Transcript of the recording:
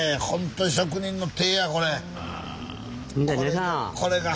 ほんとに職人の手やこれ。